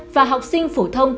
và học sinh phổ thông